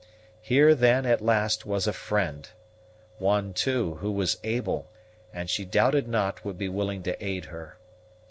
Here, then, at last, was a friend; one, too, who was able, and she doubted not would be willing to aid her.